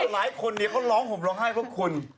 หลายคนเนี่ยเขาร้องผมร้องให้เพราะคุณ